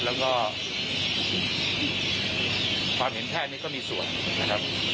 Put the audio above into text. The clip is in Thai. แล้วก็ความเห็นแพทย์นี่ก็มีส่วนนะครับ